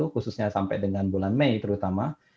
khususnya sampai dengan bulan mei terutama